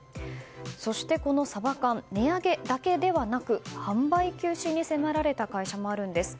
そしてこのサバ缶値上げだけではなく販売休止に迫られた会社もあるんです。